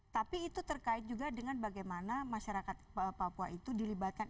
tapi itu terkait juga dengan bagaimana masyarakat papua itu dilibatkan